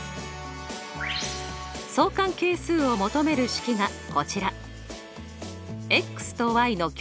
相関係数を求める式がこちら。との共